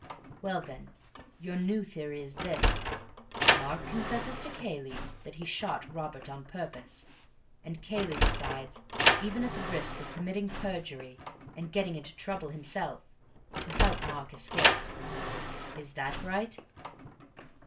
Well then, your new theory is this. Mark confesses to Cayley that he shot Robert on purpose, and Cayley decides, even at the risk of committing perjury, and getting into trouble himself, to help Mark to escape. Is that right?"